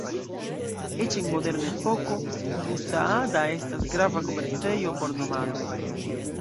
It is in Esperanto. Eĉ en moderna epoko, Bu-Saada estas grava komercejo por nomadoj.